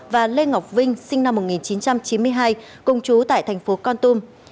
và lê ngọc vinh sinh năm một nghìn chín trăm chín mươi hai công chú tại thành phố con tum